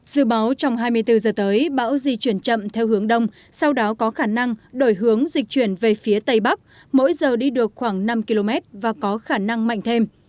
dự báo trong hai mươi bốn giờ tới bão di chuyển chậm theo hướng đông sau đó có khả năng đổi hướng dịch chuyển về phía tây bắc mỗi giờ đi được khoảng năm km và có khả năng mạnh thêm